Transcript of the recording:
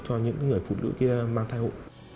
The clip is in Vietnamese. cho những người phụ nữ mang thai hộ